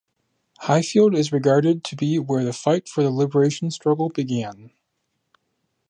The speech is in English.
Highfield is regarded to be where the fight for the liberation struggle began.